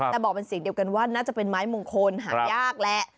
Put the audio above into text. แต่บอกเป็นเสียงเดียวกันว่าน่าจะเป็นไม้มงคลหายากแหละ